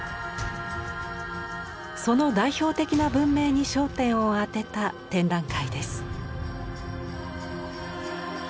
その代表的な文明に焦点を当てた展覧会です。